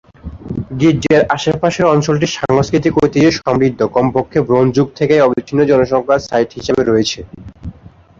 গির্জার আশেপাশের অঞ্চলটি সাংস্কৃতিক ঐতিহ্যে সমৃদ্ধ, কমপক্ষে ব্রোঞ্জ যুগ থেকেই অবিচ্ছিন্ন জনসংখ্যার সাইট হিসাবে রয়েছে।